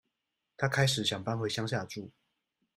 她開始想搬回鄉下住